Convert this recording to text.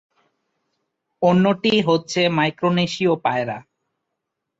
অন্যটি হচ্ছে মাইক্রোনেশিয় পায়রা।